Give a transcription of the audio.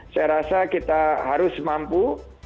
saya rasa kita harus mampu